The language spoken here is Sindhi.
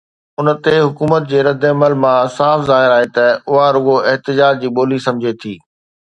ان تي حڪومت جي ردعمل مان صاف ظاهر آهي ته اها رڳو احتجاج جي ٻولي سمجهي ٿي.